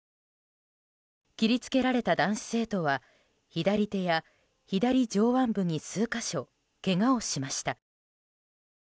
切り付けられた男子生徒は左手や左上腕部に数か所けがをしました。